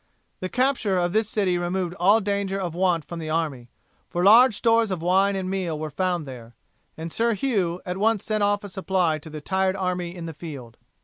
The capture of this city removed all danger of want from the army, for large stores of wine and meal were found there, and Sir Hugh at once sent off a supply to the tired army in the field.